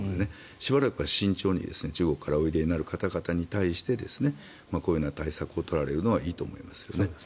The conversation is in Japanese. しばらくは慎重に中国からおいでになる方々に対してこういう対策を取られるのはいいと思いますね。